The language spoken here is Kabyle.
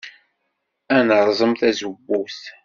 Ad nerẓem tazewwut.